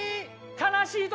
悲しい時。